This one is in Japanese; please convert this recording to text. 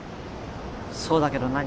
そうだけど何？